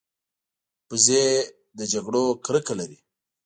وزې له جګړو کرکه لري